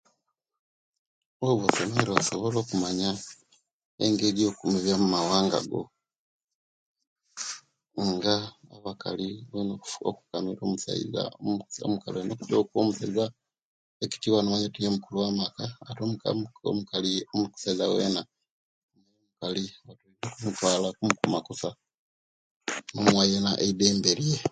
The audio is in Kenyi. Oba osomere osobola okumanya, engeri yokukuma ebyo'mumawanga go, nga abakali balina okuba nomusaiza moiza so omukali olina okubanga owa omusaiza ekitibwa nomanya nti niye mokulu omumaka ate omusaiza yena alina okumutwala kumukuma kusa namuwa yena eidembe rye.